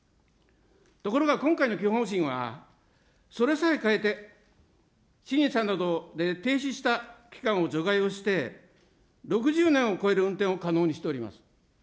ところが今回の基本方針は、それさえ変えて、審査などで停止した期間を除外をして、６０年を超える運転を可能にしております。